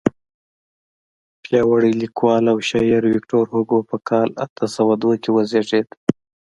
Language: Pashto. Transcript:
پیاوړی لیکوال او شاعر ویکتور هوګو په کال اته سوه دوه کې وزیږېد.